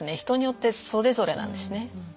人によってそれぞれなんですね。